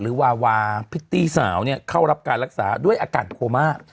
หรือวาวาพิธีสาวเนี่ยเข้ารับการรักษาด้วยอาการโคม่า